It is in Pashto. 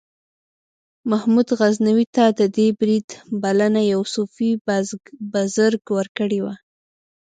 محمود غزنوي ته د دې برید بلنه یو صوفي بزرګ ورکړې وه.